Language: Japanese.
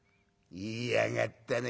「言いやがったな